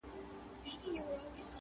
نن به ښکلي ستا په نوم سي ګودرونه!!